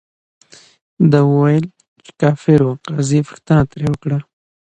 ده ویل، چې کافر ؤ. قاضي پوښتنه ترې وکړه،